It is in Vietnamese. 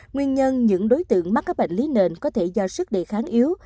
nguyên nhân những đối tượng mắc các bệnh lý nền có thể do sức đề kháng yếu